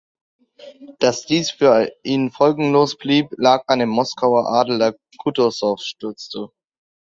Dass dies für ihn folgenlos blieb, lag an dem Moskauer Adel, der Kutusow stützte.